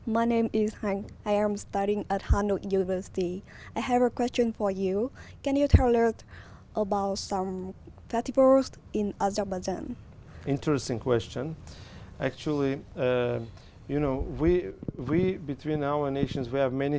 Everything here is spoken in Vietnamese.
mang thức ăn của hà tây gần gũi đến người dân của hà tây